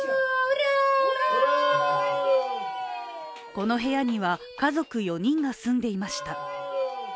この部屋には家族４人が住んでいました。